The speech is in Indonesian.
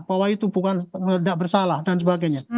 bahwa itu bukan tidak bersalah dan sebagainya